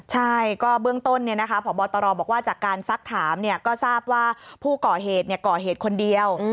ใช่ก็เบื้องต้นพบตรบอกว่าจากการซักถามก็ทราบว่าผู้ก่อเหตุก่อเหตุคนเดียว